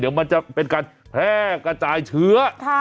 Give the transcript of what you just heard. เดี๋ยวมันจะเป็นการแพร่กระจายเชื้อ